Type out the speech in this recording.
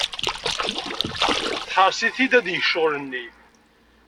Teḥreṣ-it-id ad yeg ccɣel-nni.